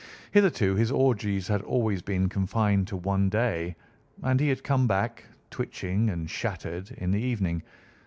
Hitherto his orgies had always been confined to one day, and he had come back, twitching and shattered, in the evening.